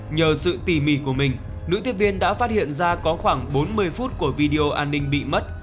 nhờ sự tỉ mỉ của mình nữ tiếp viên đã phát hiện ra có khoảng bốn mươi phút của video an ninh bị mất